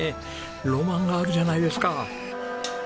ロマンがあるじゃないですか。